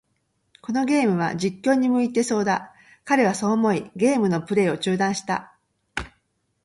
このゲームは、実況に向いてそうだ。彼はそう思い、ゲームのプレイを中断した。